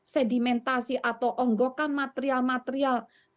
sedimentasi atau onggokan material material